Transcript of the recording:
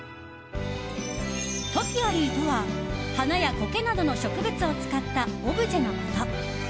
トピアリーとは花やコケなどの植物を使ったオブジェのこと。